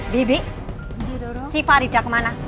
bibik si farida kemana